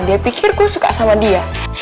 dia pikir gue suka sama dia